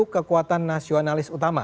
satu kekuatan nasionalis utama